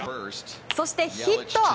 そして、ヒット。